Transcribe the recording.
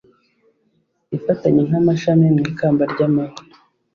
ifatanye nk'amashami mu ikamba ry'amahwa